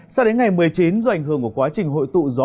sao đến ngày một mươi chín do ảnh hưởng của quá trình hội tụ gió